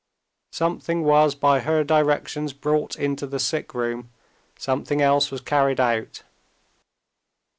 Something was by her directions brought into the sick room, something else was carried out.